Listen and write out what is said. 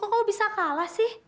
kok kamu bisa kalah sih